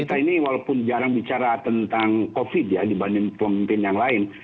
kita ini walaupun jarang bicara tentang covid ya dibanding pemimpin yang lain